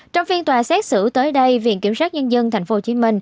trong phiên tòa xét xử tới đây viện kiểm sát nhân dân tp hcm